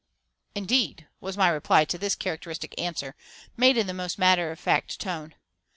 "Indeed!" was my reply to this characteristic answer, made in the most matter of fact tone.